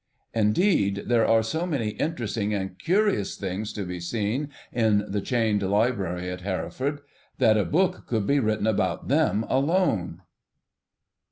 Indeed, there are so many interesting and curious things to be seen in the chained library at Hereford that a book could be written about them alone.